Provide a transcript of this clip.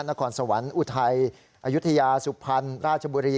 นครสวรรค์อุทัยอายุทยาสุพรรณราชบุรี